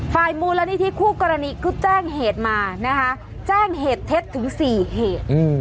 มูลนิธิคู่กรณีก็แจ้งเหตุมานะคะแจ้งเหตุเท็จถึง๔เหตุ